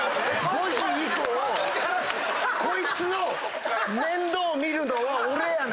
５時以降こいつの面倒を見るのは俺やねん！